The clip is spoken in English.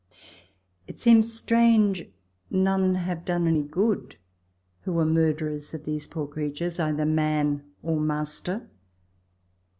It seems strange none have done any good who were murderers of these poor creatures either man or master.